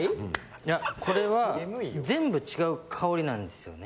いやこれは全部違う香りなんですよね。